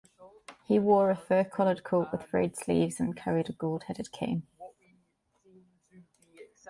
He wore a fur-collared coat with frayed sleeves and carried a gold-headed cane.